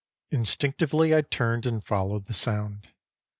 Instinctively I turned and followed the sound.